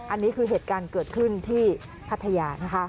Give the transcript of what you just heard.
อันนี้คือเหตุการณ์เกิดขึ้นที่พัทยานะคะ